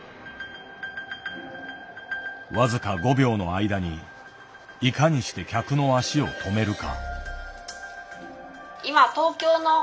僅か５秒の間にいかにして客の足を止めるか。